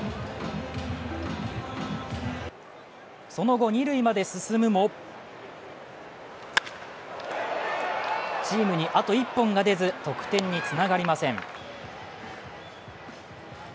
その後、二塁まで進むもチームにあと１本が出ず、得点につながりません。